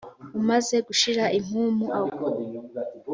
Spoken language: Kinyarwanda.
umaze gushira impumu aho